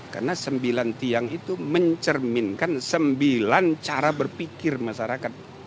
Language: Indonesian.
karena sembilan tiang itu mencerminkan sembilan cara berpikir masyarakat